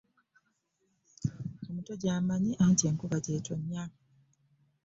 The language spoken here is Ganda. Omuto gy'amanyi anti enkuba gy'etonnya.